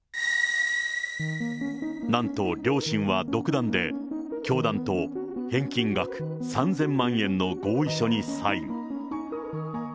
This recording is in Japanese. なんと、両親は独断で、教団と返金額３０００万円の合意書にサイン。